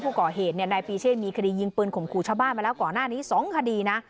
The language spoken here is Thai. ผู้ก่อเหตุนายปีเชษมีคดียิงปืนข่มขู่ชาวบ้านมาแล้วก่อนหน้านี้๒คดีนะ